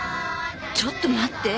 ちょっと待って。